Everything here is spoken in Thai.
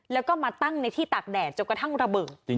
แล้วก็มาตั้งในที่ตากแดดจนกระทั่งระเบิด